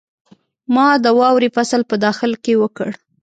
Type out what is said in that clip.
ما د واورې فصل په داخل کې وکړ.